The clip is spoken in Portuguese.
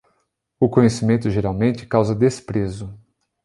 O conhecimento geralmente causa desprezo.